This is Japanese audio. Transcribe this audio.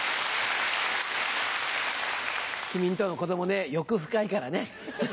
君んとこの子供ね欲深いからね。